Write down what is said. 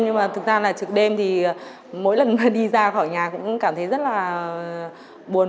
nhưng mà thực ra là trực đêm thì mỗi lần đi ra khỏi nhà cũng cảm thấy rất là buồn